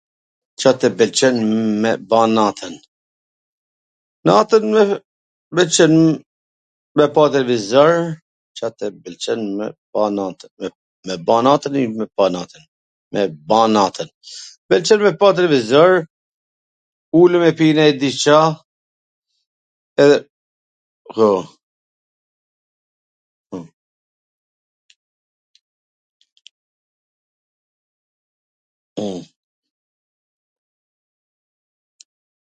Ca te pelqen me ba natwn? Natwn mw pwlqen me pa televizor..., Ca te pelqen me pa natwn, me ba natwn i me pa natwn? Me pa natwn.. m pelqen me pa televizor, ulem e pi nanj diCa edhe kto ...